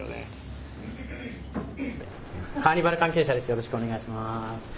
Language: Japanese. よろしくお願いします。